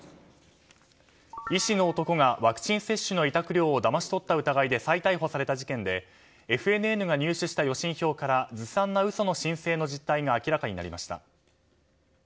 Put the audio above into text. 医師の男がワクチン接種の委託料をだまし取った疑いで再逮捕された事件でＦＮＮが入手した予診票からずさんな嘘の申請の実態が明らかになりました。